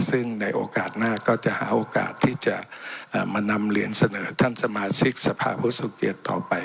ซึ่งในโอกาสหน้าก็จะหาโอกาสที่จะมานำเหรียญเสนอท่านสมาชิกสภาพผู้สูงเกียจต่อไป